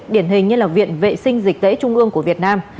điển hình như viện vệ sinh dịch tễ trung ương của việt nam